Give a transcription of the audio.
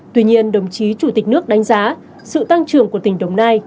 tuy nhiên đồng chí chủ tịch nước đánh giá sự tăng trưởng của tỉnh đồng nai